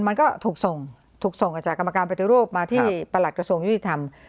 มันก็ถูกส่งจากกรรมกราบปฏิรูปมาที่ปรัตต์กระทรวงยุธรรม